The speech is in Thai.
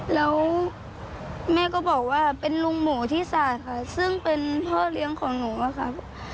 แล้วแม่ก็บอกว่าเป็นลุงหมูที่ศาสตร์ค่ะซึ่งเป็นพ่อเลี้ยงของหนูอะค่ะ